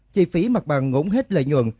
chi phí mặt bằng ngỗn hết lợi nhuận